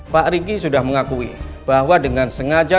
pak riki sudah mengakui bahwa dengan sengaja